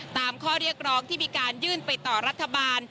ข้อเรียกร้องที่มีการยื่นไปต่อรัฐบาล